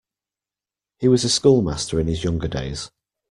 He was a schoolmaster in his younger days.